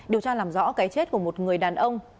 điều tra làm rõ cái chết của một người đàn ông